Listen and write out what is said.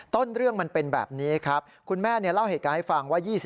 ต้นเรื่องมันเป็นแบบนี้ครับคุณแม่เล่าเหตุการณ์ให้ฟังว่า